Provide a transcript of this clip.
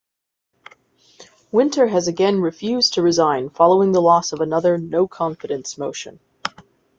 Winter has again refused to resign following the loss of another "no-confidence" motion.